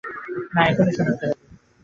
না, এখনই শোনাতে হবে।